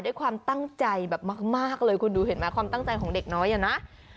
ด้วยความตั้งใจแบบมากเลยคุณดูเห็นไหมความตั้งใจของเด็กน้อยอ่ะนะ